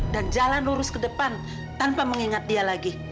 dan jalan lurus ke depan tanpa mengingat dia lagi